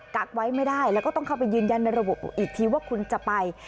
กักไว้ไม่ได้แล้วก็ต้องเข้าไปยืนยันในระบบอีกทีว่าคุณจะไป